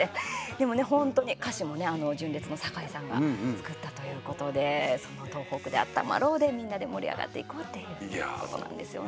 でもね、本当に歌詞もね、純烈の酒井さんが作ったということで「とうほくであったまろう」でみんなで盛り上がっていこうっていうことなんですよね。